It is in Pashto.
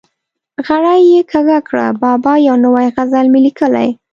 غړۍ یې کږه کړه: بابا یو نوی غزل مې لیکلی.